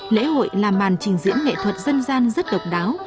lễ hội là màn trình diễn nghệ thuật dân gian rất độc đáo